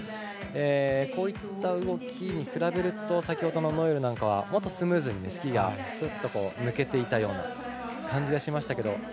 こういった動きに比べると先ほどのノエルなんかはもっとスムーズにスキーがすっと抜けていったような感じがしましたけど。